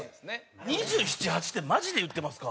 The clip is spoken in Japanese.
２７２８ってマジで言ってますか？